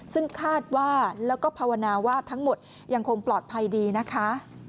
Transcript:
ซึ่งคาดว่าแล้วก็ภาวนาว่าทั้งหมดยังคงปลอดภัยดีนะคะ